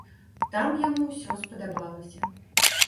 Там яму ўсё спадабалася.